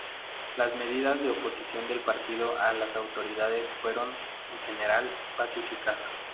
Las medidas de oposición del partido a las autoridades fueron, en general, pacíficas.